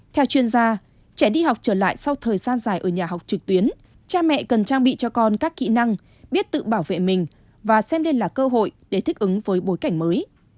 theo chuyên gia trẻ đi học trở lại sau thời gian dài ở nhà học trực tuyến cha mẹ cần trang bị cho con các kỹ năng biết tự bảo vệ mình và xem đây là cơ hội để thích ứng với bối cảnh mới